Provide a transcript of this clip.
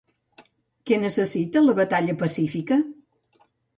Què necessita la batalla pacífica?